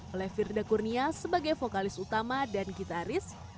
oleh firda kurnia sebagai vokalis utama dan gitaris